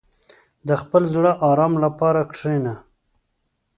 • د خپل زړه د آرام لپاره کښېنه.